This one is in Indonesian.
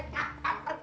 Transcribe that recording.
itu dia kitayang